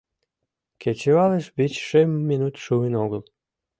— Кечывалыш вич-шым минут шуын огыл...